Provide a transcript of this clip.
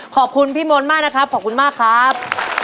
ขอบคุณพี่โมนมากนะครับ